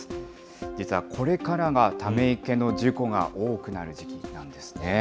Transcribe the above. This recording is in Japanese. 実はこれからがため池の事故が多くなる時期なんですね。